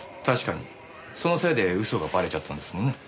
確かにそのせいで嘘がバレちゃったんですもんね。